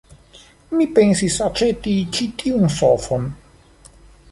Mi pensis aĉeti ĉi tiun sofon.